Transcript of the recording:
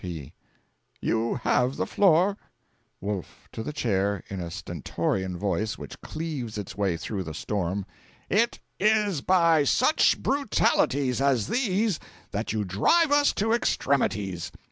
P. 'You have the floor.' Wolf (to the Chair, in a stentorian voice which cleaves its way through the storm). 'It is by such brutalities as these that you drive us to extremities!